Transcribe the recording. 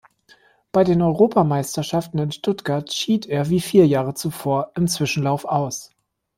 Bei den Europameisterschaften in Stuttgart schied er wie vier Jahre zuvor im Zwischenlauf aus.